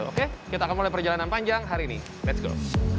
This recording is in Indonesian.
oke kita akan mulai perjalanan panjang hari ini let s go